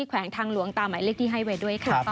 แขวงทางหลวงตามหมายเลขที่ให้ไว้ด้วยค่ะ